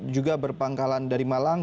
juga berpangkalan dari malang